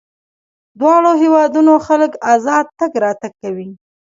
دواړو هېوادونو خلک ازاد تګ راتګ کوي.